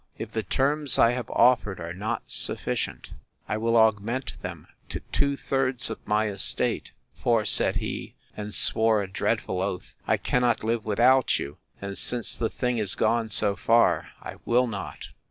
If the terms I have offered are not sufficient, I will augment them to two thirds of my estate; for, said he, and swore a dreadful oath, I cannot live without you: and, since the thing is gone so far, I will not!